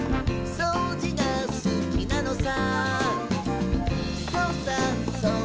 「そうじがすきなのさ」